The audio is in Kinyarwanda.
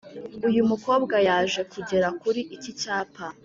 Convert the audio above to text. uyu mukobwa yaje kugera kuri iki cyapa